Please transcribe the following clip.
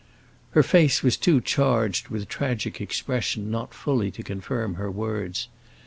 Her face was too charged with tragic expression not fully to confirm her words.